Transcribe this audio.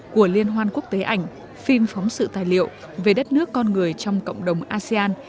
của liên hoan quốc tế ảnh phim phóng sự tài liệu về đất nước con người trong cộng đồng asean